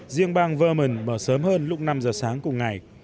riêng bang verman mở sớm hơn lúc năm giờ sáng cùng ngày